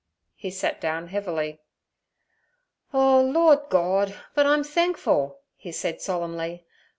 He sat down heavily. 'Oh, Lord Gord! but I'm thenkful' he said solemnly.